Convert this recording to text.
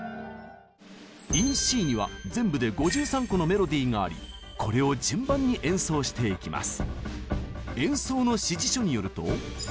「ＩｎＣ」には全部で５３個のメロディーがありこれを順番に演奏していきます。